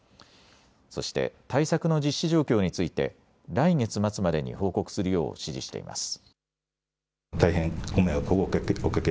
そして対策の実施状況について来月末までに報告するよう指示しています。